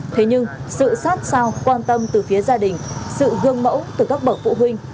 thế nhưng sự sát sao quan tâm từ phía gia đình sự gương mẫu từ các bậc phụ huynh